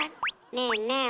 ねえねえ